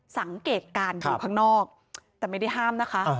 สังเกตการณ์อยู่ข้างนอกแต่ไม่ได้ห้ามนะคะ